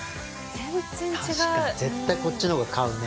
全然違う確かに絶対こっちの方が買うね